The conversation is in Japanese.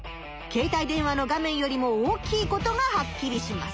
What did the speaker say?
携帯電話の画面よりも大きいことがはっきりします。